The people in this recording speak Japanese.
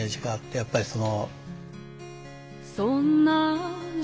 やっぱりその。